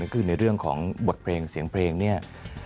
คือในเรื่องของบทเพลงเสียงเพลงเนี่ย